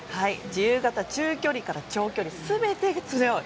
自由形中距離から長距離全てに強い。